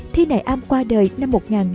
thi nại am qua đời năm một nghìn chín trăm bảy mươi